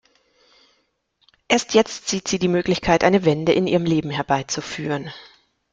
Erst jetzt sieht sie die Möglichkeit, eine Wende in ihrem Leben herbeizuführen.